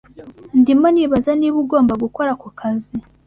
Ndimo nibaza niba ugomba gukora ako kazi.